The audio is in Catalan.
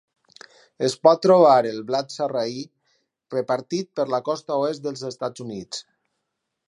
Es pot trobar el blat sarraí repartit per la costa oest dels Estats Units.